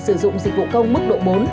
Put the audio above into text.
sử dụng dịch vụ công mức độ bốn